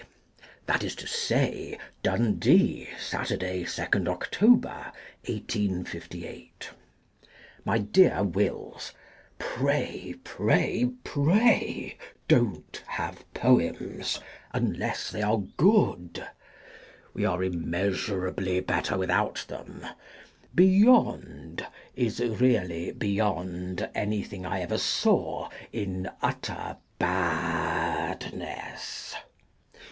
That is to say : Dundee, Saturday, Second October, 1858. My Dear Wills :— Pray, pray, pray, don't have Poems unless they are good. We are immeasurably better without them: "Beyond," is really Beyond anything I ever saw, in utter badness.